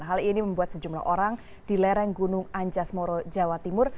hal ini membuat sejumlah orang di lereng gunung anjas moro jawa timur